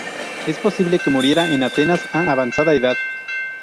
Es posible que muriera en Atenas, a avanzada edad.